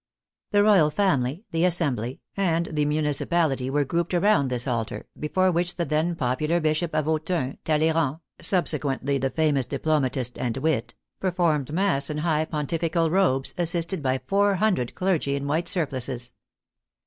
The Royal Family, the Assembly and the municipality were grouped around this altar, before which the then popular Bishop of Autun, Talleyrand (subsequently the famous diplomatist and wit) performed mass in high pontifical robes, assisted by four hundred clergy in white surplices.